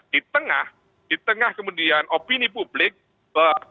di tengah di tengah kemudian opini publik